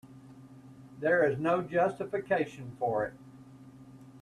There was no justification for it.